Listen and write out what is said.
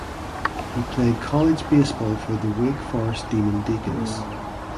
He played college baseball for the Wake Forest Demon Deacons.